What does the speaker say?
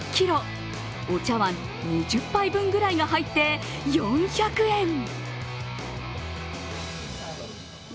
お茶わん２０杯分ぐらいが入って４００円。